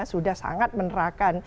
sudah sangat menerahkan